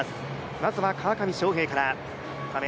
まずは川上翔平から。